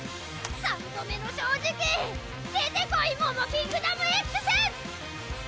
三度目の正直出てこいモモキングダムＸ！